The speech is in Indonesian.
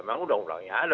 memang undang undangnya ada